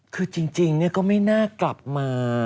คือจริงก็ไม่น่ากลับมา